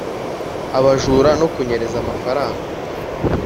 Ubujura no kunyereza amafaranga